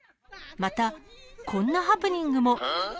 またこんなハプニングも。